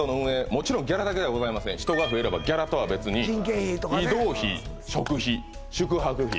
もちろんギャラだけではございません人が増えればギャラとは別に人件費とかね移動費食費宿泊費